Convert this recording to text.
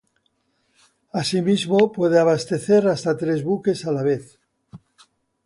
Asimismo puede abastecer hasta tres buques a la vez.